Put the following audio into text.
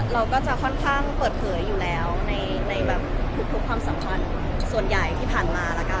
เราก็จะค่อนข้างเปิดเผยอยู่แล้วในแบบทุกความสัมพันธ์ส่วนใหญ่ที่ผ่านมาแล้วกัน